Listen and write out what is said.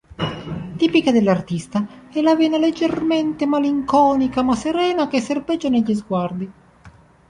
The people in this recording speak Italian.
Tipica dell'artista è la vena leggermente malinconica, ma serena, che serpeggia negli sguardi.